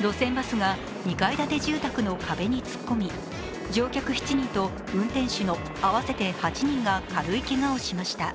路線バスが２階建て住宅の壁に突っ込み、乗客７人と運転手の合わせて８人が軽いけがをしました。